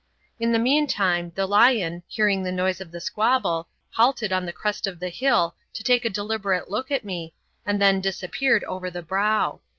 In the meantime the lion, hearing the noise of the squabble, halted on the crest of the hill to take a deliberate look at me, and then disappeared over the brow.